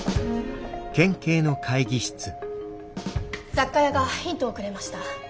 雑貨屋がヒントをくれました。